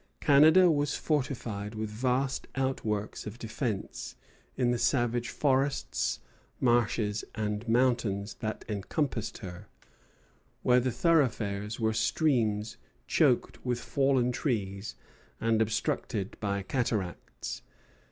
Canada was fortified with vast outworks of defence in the savage forests, marshes, and mountains that encompassed her, where the thoroughfares were streams choked with fallen trees and obstructed by cataracts.